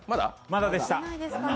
まだでした。